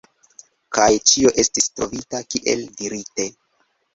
Kaj ĉio estis trovita, kiel dirite.